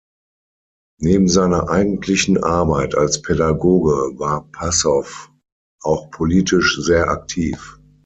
Neben seiner eigentlichen Arbeit als Pädagoge war Passow auch politisch sehr aktiv.